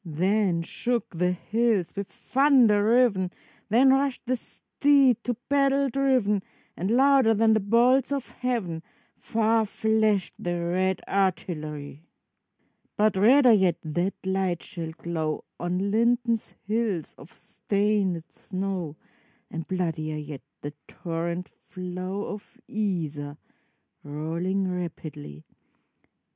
Then shook the hills with thunder riven. Then rushed the steed to battle driven, And louder than the bolts of heaven Far flashed the red artillery. 334 HOHENLINDEN But redder yet that light shall glow On Linden's hills of stained snow, And bloodier yet the torrent flow Of Iser, rolling rapidly.